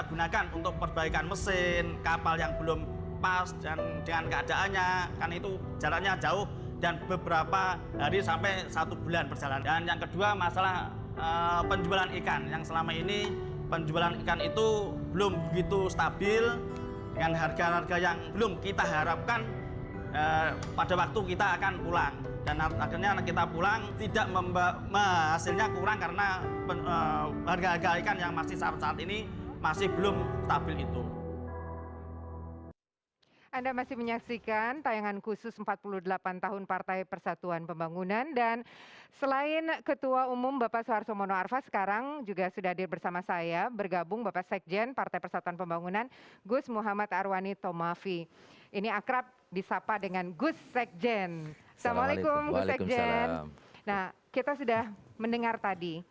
untuk memberikan kontribusi langsung cara langsung kepada masyarakat